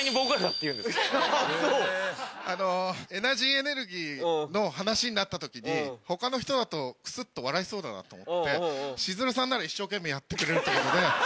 エナジーエネルギーの話になった時に他の人だとクスっと笑いそうだなと思ってしずるさんなら一生懸命やってくれるってことで。